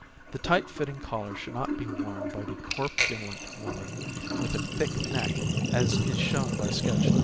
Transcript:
The tight fitting collar should not be worn by the corpulent woman with a thick neck, as is shown by sketch No.